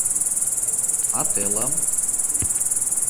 А телым?